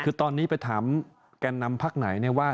คือตอนนี้ไปถามแก่นำพักไหนว่า